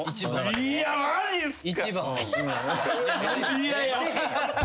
いやマジっすか！？